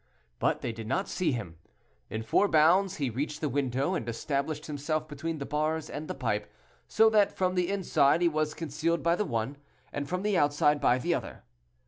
but they did not see him. In four bounds he reached the window, and established himself between the bars and the pipe, so that from the inside he was concealed by the one, and from the outside by the other.